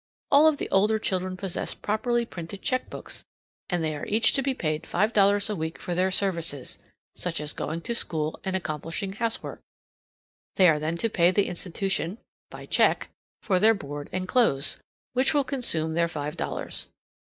All of the older children possess properly printed checkbooks, and they are each to be paid five dollars a week for their services, such as going to school and accomplishing housework. They are then to pay the institution (by check) for their board and clothes, which will consume their five dollars.